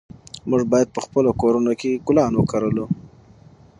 موږ باید په خپلو کورونو کې ګلان وکرلو.